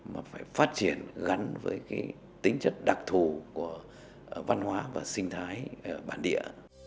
mà phải phát triển gắn với cái tính chất đặc thù của văn hóa và sinh thái bản địa